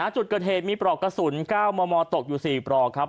จุดเกิดเหตุมีปลอกกระสุน๙มมตกอยู่๔ปลอกครับ